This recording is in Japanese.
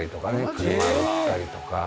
車売ったりとか。